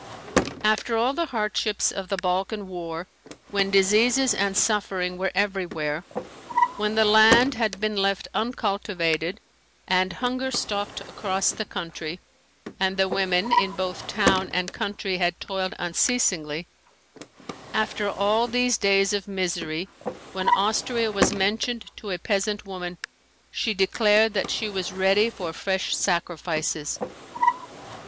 After all the hardships of the Balkan War, when diseases and suffering were everywhere; when the land had been left uncultivated and hunger stalked across the country and the women in both town and country had toiled unceasingly; after all these days of misery, when Austria was mentioned to a peasant woman she declared that she was ready for fresh sacrifices.